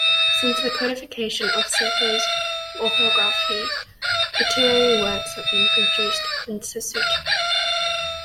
Since the codification of Sesotho orthography, literary works have been produced in Sesotho.